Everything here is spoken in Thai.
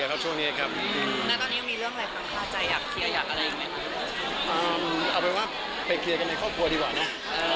เอาเป็นว่าไปเคลียร์กันในครอบครัวดีกว่านะ